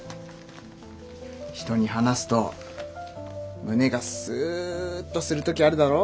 人に話すと胸がスッとする時あるだろ？